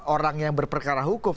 orang yang berperkara hukum